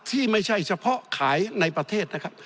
ที่ไม่ใช่เฉพาะขายในประเทศนะครับ